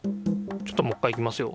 ちょっともっかいいきますよ。